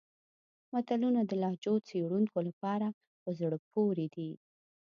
متلونه د لهجو څېړونکو لپاره په زړه پورې دي